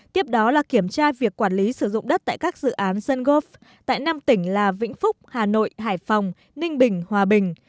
tiếp đó là kiểm tra việc quản lý sử dụng đất tại các dự án sơn góp tại năm tỉnh là vĩnh phúc hà nội hải phòng ninh bình hòa bình